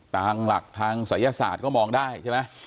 ตามหลักทางศัยศาสตร์ก็มองได้ใช่ไหม